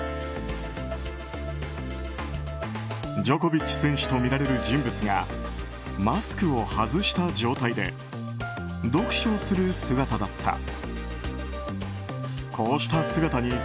ジョコビッチ選手とみられる人物がマスクを外した状態で読書する姿だった。